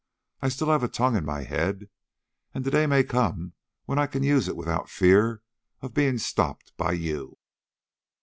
I have still a tongue in my head, and the day may come when I can use it without any fear of being stopped by you."